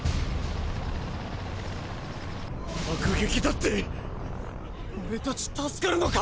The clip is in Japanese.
爆撃だって⁉俺たち助かるのか